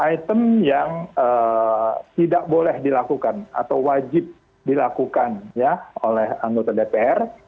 item yang tidak boleh dilakukan atau wajib dilakukan oleh anggota dpr